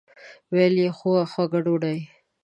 ویل یې خوږه ډوډۍ.